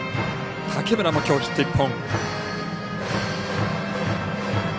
竹村もきょうヒット１本。